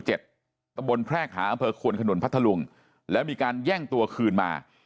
พื้นที่หมู่๗ตะบนแพร่ขาอำเภอขวนขนวนพัทธรรงแล้วมีการแย่งตัวคืนมา